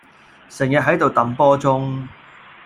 成日係度揼波鐘